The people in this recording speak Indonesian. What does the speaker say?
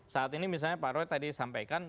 saat ini misalnya pak roy tadi sampaikan